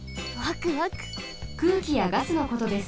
くうきやガスのことです。